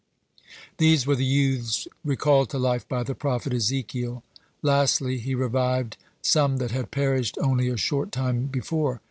These were the youths recalled to life by the prophet Ezekiel. Lastly, he revived some that had perished only a short time before.